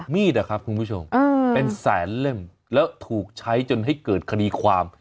ครับคุณผู้ชมเป็นแสนเล่มแล้วถูกใช้จนให้เกิดคดีความ